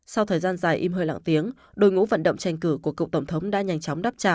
sau thời gian dài im hơi lặng tiếng đội ngũ vận động tranh cử của cựu tổng thống đã nhanh chóng đáp trả